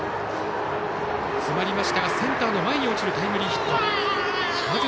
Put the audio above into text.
詰まりましたがセンターの前に落ちるタイムリーヒット。